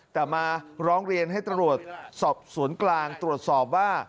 แต่มาร้องเรียนให้ตำรวจสอบสวนกลางตรวจสอบว่า